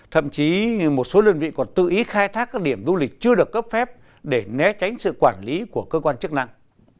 thậm chí một số đơn vị còn tự ý khai thác các điểm du lịch chưa được cấp phép để né tránh sự quản lý của cơ quan chức năng